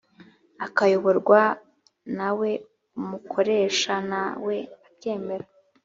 akayoborwa na we umukoresha na we akemera